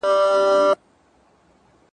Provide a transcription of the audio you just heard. که ټول اړخونه په پام کي ونیول سي پرمختګ کیږي.